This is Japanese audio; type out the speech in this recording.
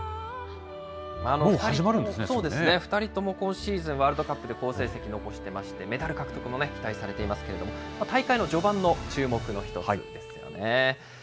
２人とも今シーズン、ワールドカップで好成績を残してまして、メダル獲得も期待されていますけれども、大会の序盤の注目の一つですね。